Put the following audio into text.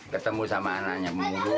ketemu sama anaknya